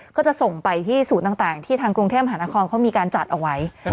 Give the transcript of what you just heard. ก็จะส่งไปที่ศูนย์ต่างที่ทางกรุงเทพมหานครเขามีการจัดเอาไว้